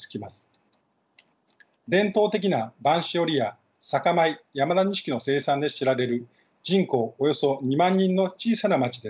伝統的な播州織や酒米山田錦の生産で知られる人口およそ２万人の小さな町です。